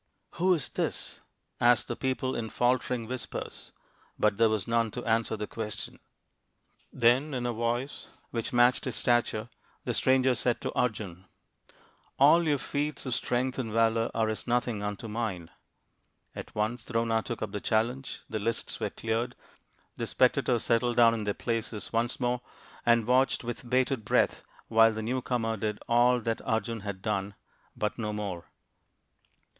" Who is this ?" asked the people in faltering whispers, but there was none to answer the question. THE FIVE TALL SONS OF PANDU 75 Then in a voice which matched his stature the stranger said to Arjun, " All your feats of strength and valour are as nothing unto mine." At once Drona took up the challenge, the lists were cleared, the spectators settled down in their places once more and watched with bated breath while the new comer did all that Arjun had done but no more.